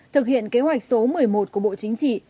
thực hiện kế hoạch số một mươi một của bộ chính trị